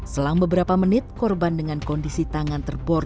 selang beberapa menit korban dengan kondisi tangan terbor